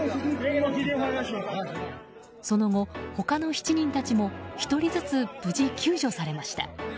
その後、他の７人たちも１人ずつ、無事救助されました。